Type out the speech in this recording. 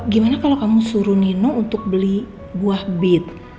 gimana kalau kamu suruh nino untuk beli buah bit